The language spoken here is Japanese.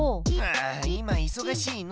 あいまいそがしいの！